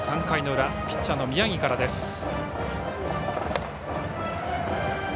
３回の裏はピッチャーの宮城からです。